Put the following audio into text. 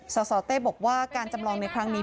สสเต้บอกว่าการจำลองในครั้งนี้